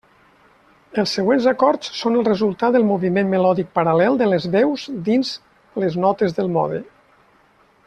Els següents acords són el resultat del moviment melòdic paral·lel de les veus dins les notes del mode.